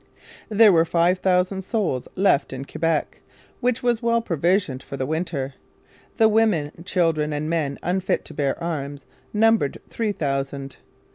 There were five thousand souls left in Quebec, which was well provisioned for the winter. The women, children, and men unfit to bear arms numbered three thousand.